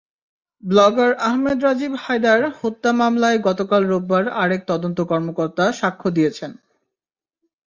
Blogger Ahmed Rajib Haider হত্যা মামলায় গতকাল রোববার আরেক তদন্ত কর্মকর্তা সাক্ষ্য দিয়েছেন।